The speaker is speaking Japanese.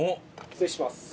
失礼します。